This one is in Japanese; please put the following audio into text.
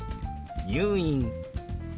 「入院」。